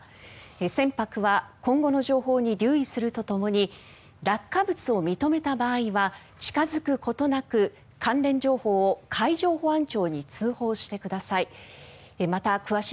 船舶は今後の情報に留意するとともに落下物を認めた場合は近付くことなく関連情報を海上保安庁に通報してください。